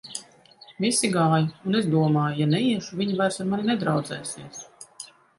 Visi gāja, un es domāju: ja neiešu, viņi vairs ar mani nedraudzēsies.